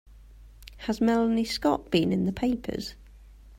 Has Melanie Scott been in the papers?